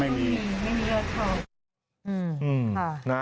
ไม่มีเมื่อเนาะเข้า